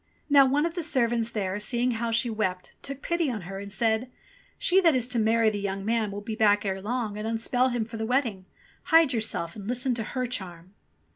Now one of the old servants there, seeing how she wept, took pity on her and said, "She that is to marry the young man will be back ere long, and unspell him for the wedding. Hide yourself and listen to her charm."